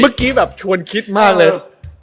เมื่อกี้แบบชวนคิดมากเลย